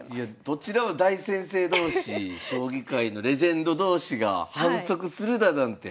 どちらも大先生同士将棋界のレジェンド同士が反則するだなんて。